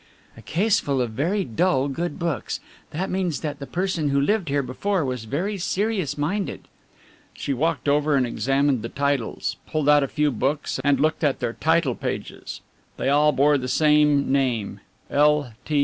"A case full of very dull good books. That means that the person who lived here before was very serious minded." She walked over and examined the titles, pulled out a few books and looked at their title pages. They all bore the same name, "L.